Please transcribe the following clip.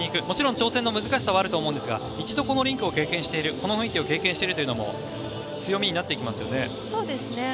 もちろん調整の難しさはあると思うんですが一度このリンクの雰囲気を経験しているというのも強みになっていきますよね？